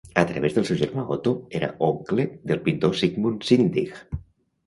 A través del seu germà Otto era oncle del pintor Sigmund Sinding.